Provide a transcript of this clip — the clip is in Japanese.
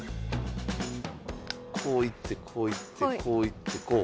こう行ってこう行ってこう行ってこう。